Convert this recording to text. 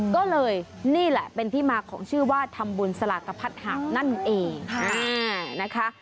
ก็เลยนี่แหละเป็นที่มาของชื่อว่าทำบุญสลากพัดหาบนั่นเองนะคะ